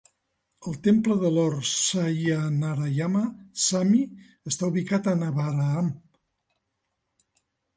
El temple de Lord Satyanarayana Swamy està ubicat a Annavaram.